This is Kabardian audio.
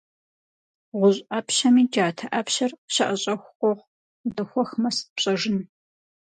ГъущӀ Ӏэпщэми джатэ Ӏэпщэр щыӀэщӀэху къохъу: удэхуэхмэ, сыт пщӀэжын?